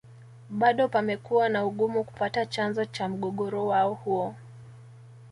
Bado pamekuwa na Ugumu kupata chanzo cha mgogoro wao huo